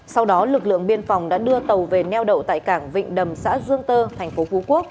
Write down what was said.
sau đó lực lượng biên phòng đã đưa tàu về neo đậu tại cảng vịnh đầm xã dương tơ tp hcm